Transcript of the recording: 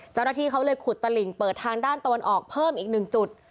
เจ้าหน้าที่เขาเลยขุดตลิ่งเปิดทางด้านตะวันออกเพิ่มอีก๑จุด